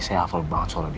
saya afol banget soalnya dia